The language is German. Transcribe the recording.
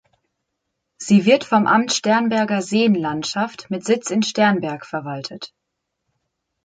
Sie wird vom Amt Sternberger Seenlandschaft mit Sitz in Sternberg verwaltet.